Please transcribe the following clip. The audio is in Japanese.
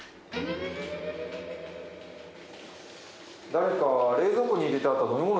誰か冷蔵庫に入れてあった飲み物